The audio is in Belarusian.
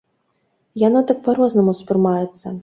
Яно так па-рознаму ўспрымаецца.